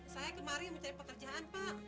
saya kemarin mencari pekerjaan pak